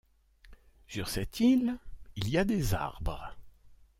Sur cette île, il y a des arbres.